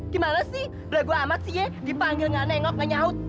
gimana sih beragua amat sih ya dipanggil gak nengok gak nyahut